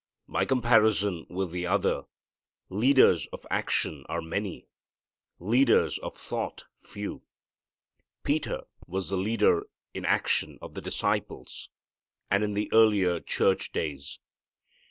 By comparison with the other, leaders of action are many, leaders of thought few. Peter was the leader in action of the disciples, and in the earlier church days.